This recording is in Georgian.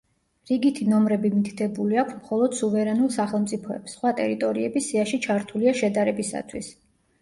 რიგითი ნომრები მითითებული აქვთ მხოლოდ სუვერენულ სახელმწიფოებს, სხვა ტერიტორიები სიაში ჩართულია შედარებისათვის.